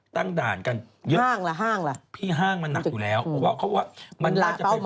ตั้งด่านกันเยอะพี่ห้างมันนักอยู่แล้วเพราะว่า